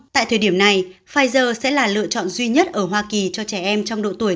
tại thời điểm này pfizer sẽ là lựa chọn duy nhất ở hoa kỳ cho trẻ em trong độ tuổi